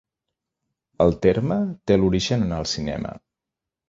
El terme té l'origen en el cinema.